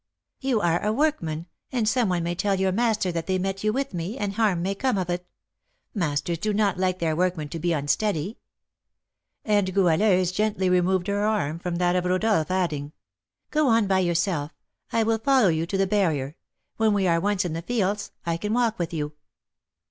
"You are a workman, and some one may tell your master that they met you with me, and harm may come of it; masters do not like their workmen to be unsteady." And Goualeuse gently removed her arm from that of Rodolph, adding, "Go on by yourself; I will follow you to the barrier; when we are once in the fields I can walk with you."